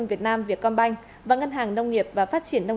giảm xuống thấp hơn nhiều hơn